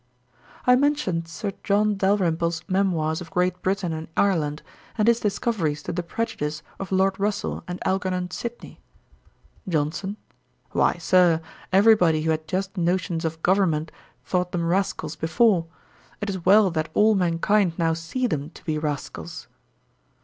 I mentioned Sir John Dalrymple's Memoirs of Great Britain and Ireland, and his discoveries to the prejudice of Lord Russel and Algernon Sydney. JOHNSON. 'Why, Sir, every body who had just notions of government thought them rascals before. It is well that all mankind now see them to be rascals.'